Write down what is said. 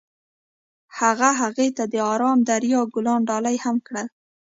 هغه هغې ته د آرام دریا ګلان ډالۍ هم کړل.